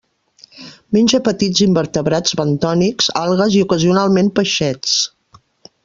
Menja petits invertebrats bentònics, algues i, ocasionalment, peixets.